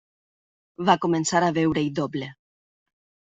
Va començar a veure-hi doble.